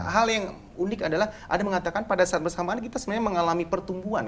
hal yang unik adalah ada mengatakan pada saat bersamaan kita sebenarnya mengalami pertumbuhan